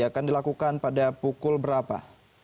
ini yang dilakukan pada pukul berapa